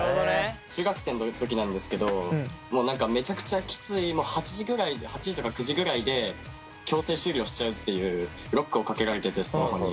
中学生の時なんですけどもう何かめちゃくちゃキツい８時とか９時ぐらいで強制終了しちゃうっていうロックをかけられててスマホに。